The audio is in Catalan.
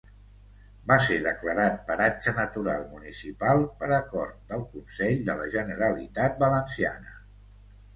Va ser declarat Paratge Natural Municipal per Acord del Consell de la Generalitat Valenciana.